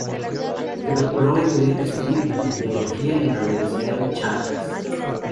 Se doctoró en derecho civil y teología en la Universidad de Charcas.